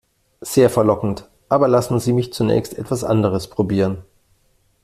Sehr verlockend, aber lassen Sie mich zunächst etwas anderes probieren.